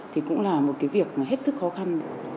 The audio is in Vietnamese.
thì cũng là một cái việc mà hết sức khó khăn